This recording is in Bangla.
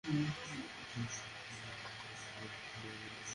পঞ্চাশের দশকে শহীদ মিনারের পেছনে মেডিকেলের দেয়াল ঘেঁষে ছিল কয়েকটি বইয়ের দোকান।